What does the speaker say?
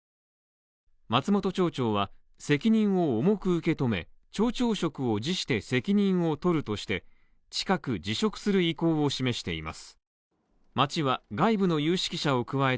松本町長は責任を重く受け止め、町長職を辞して近く辞職する意向を示しています。